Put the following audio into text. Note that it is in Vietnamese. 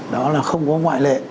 đó là không có ngoại lệ